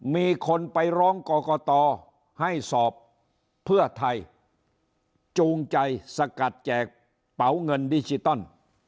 มีคนไปร้องกรกตให้สอบเพื่อไทยจูงใจสกัดแจกเป๋าเงินดิจิตอล